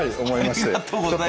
ありがとうございます。